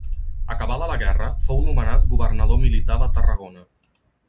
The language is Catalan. Acabada la guerra fou nomenat governador militar de Tarragona.